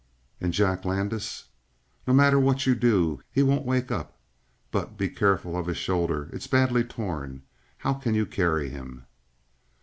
"And Jack Landis?" "No matter what you do, he won't wake up; but be careful of his shoulder. It's badly torn. How can you carry him?"